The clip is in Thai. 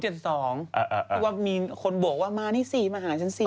วันอีก๒วันมีคนบอกว่ามานี่สิมาหาฉันสิ